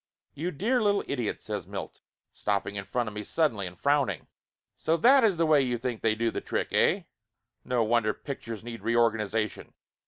"You dear little idiot !" says Milt, stopping in front of me suddenly, and frowning. "So that is the way you think they do the trick, eh ? No wonder pictures need reorganization!